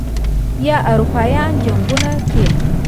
یا اروپايانو جنګونو کې